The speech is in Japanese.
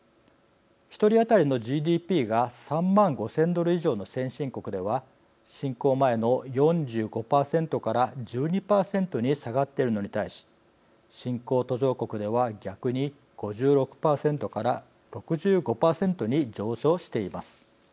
１人当たりのＧＤＰが３万５０００ドル以上の先進国では侵攻前の４５％から１２％に下がっているのに対し新興・途上国では逆に５６％から６５％に上昇しています。